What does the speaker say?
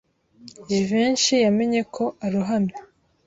Jivency yamenye ko arohamye.